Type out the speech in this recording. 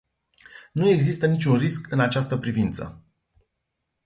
Nu există niciun risc în această privință.